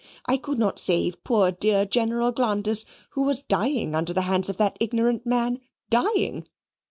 I could not save poor dear General Glanders, who was dying under the hands of that ignorant man dying.